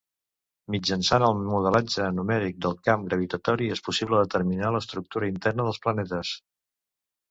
Mitjançant el modelatge numèric del camp gravitatori és possible determinar l'estructura interna dels planetes.